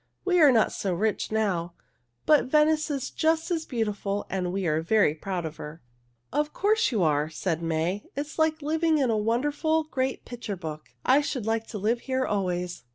We are not so rich now, but Venice is just as beautiful and we are very proud of her." "Of course you are," said May. "It is like living in a wonderful, great picture book. I should like to live here always."